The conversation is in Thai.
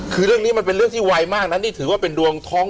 คือเรื่องนี้มันเป็นเรื่องที่ไวมากนะนี่ถือว่าเป็นดวงท้อง